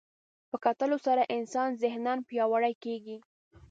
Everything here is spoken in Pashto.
په کتلو سره انسان ذهناً پیاوړی کېږي